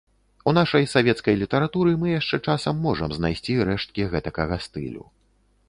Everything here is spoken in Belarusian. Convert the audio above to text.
У нашай савецкай літаратуры мы яшчэ часам можам знайсці рэшткі гэтакага стылю.